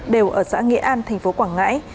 đều ở xã nghĩa an tp quảng ngãi